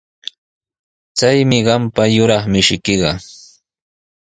Chaymi qampa yuraq mishiykiqa.